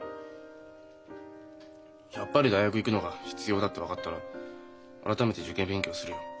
やっぱり大学行くのが必要だって分かったら改めて受験勉強するよ。